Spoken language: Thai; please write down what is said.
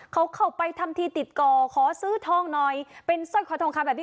เขาเข้าไปทำทีติดต่อขอซื้อทองหน่อยเป็นสร้อยคอทองคำแบบนี้